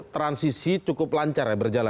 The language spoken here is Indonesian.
transisi cukup lancar ya berjalan